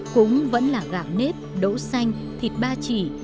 cũng vẫn là gạo nếp đỗ xanh thịt ba chỉ